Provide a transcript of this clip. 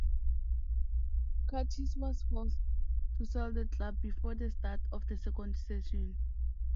Curtis was forced to sell the club before the start of the second season.